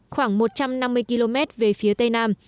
khoảng một trăm năm mươi km về phía tây nam